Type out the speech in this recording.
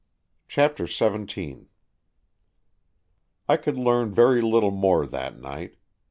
CHAPTER XVII I COULD learn very little more that night.